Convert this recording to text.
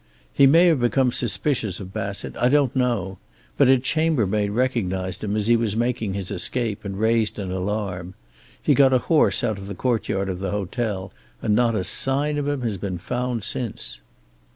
He may have become suspicious of Bassett. I don't know. But a chambermaid recognized him as he was making his escape, and raised an alarm. He got a horse out of the courtyard of the hotel, and not a sign of him has been found since."